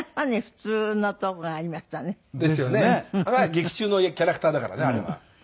劇中のキャラクターだからねあれは。